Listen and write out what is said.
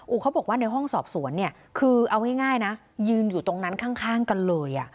เขาบอกว่าในห้องสอบสวนเนี่ยคือเอาง่ายนะยืนอยู่ตรงนั้นข้างกันเลย